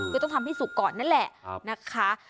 คือต้องทำให้สุกก่อนนั่นแหละนะคะ